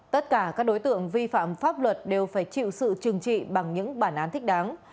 tất cả các đối tượng vi phạm pháp luật đều phải chịu sự trừng trị bằng những bản án thích đáng